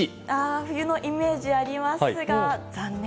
冬のイメージありますが残念。